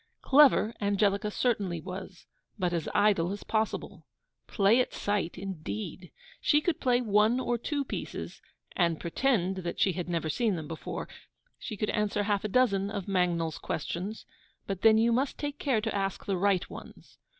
Clever Angelica certainly was, but as IDLE as POSSIBLE. Play at sight, indeed! she could play one or two pieces, and pretend that she had never seen them before; she could answer half a dozen Mangnall's Questions; but then you must take care to ask the RIGHT ones.